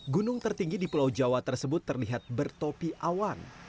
gunung tertinggi di pulau jawa tersebut terlihat bertopi awan